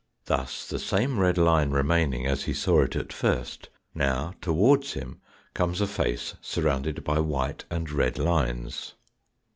Thus the same red line remaining as he saw it at first, now towards him comes a face surrounded by white and red lines.